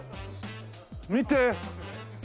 見て。